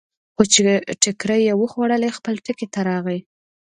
خو چې ټکرې یې وخوړلې، خپل ټکي ته راغی.